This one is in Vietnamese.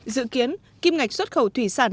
dự kiến kim ngạch xuất khẩu thủy sản